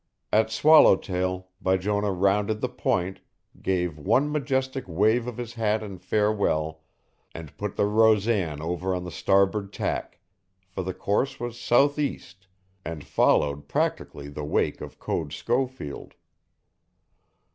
At Swallowtail Bijonah rounded the point, gave one majestic wave of his hat in farewell, and put the Rosan over on the starboard tack, for the course was southeast, and followed practically the wake of Code Schofield.